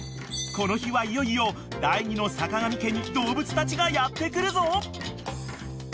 ［この日はいよいよ第２の坂上家に動物たちがやって来るぞ！］